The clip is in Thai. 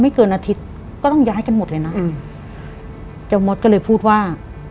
เกินอาทิตย์ก็ต้องย้ายกันหมดเลยนะอืมเจ้ามดก็เลยพูดว่า